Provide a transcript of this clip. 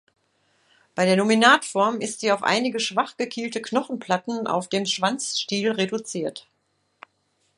Bei der Nominatform ist sie auf einige schwach gekielte Knochenplatten auf dem Schwanzstiel reduziert.